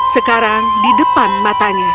sekarang dia melihatnya di depan matanya